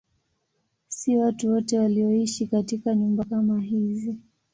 Si watu wote walioishi katika nyumba kama hizi.